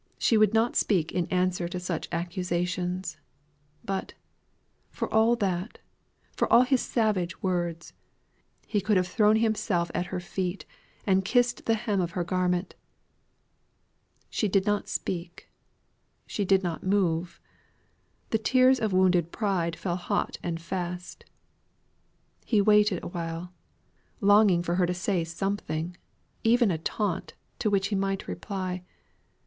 She would not speak in answer to such accusations. But, for all that for all his savage words, he could have thrown himself at her feet, and kissed the hem of her garment. She did not speak; she did not move. The tears of wounded pride fell hot and fast. He waited awhile, longing for her to say something, even a taunt, to which he might reply.